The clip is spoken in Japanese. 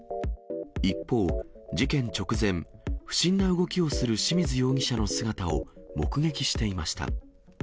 一方、事件直前、不審な動きをする清水容疑者の姿を目撃していました。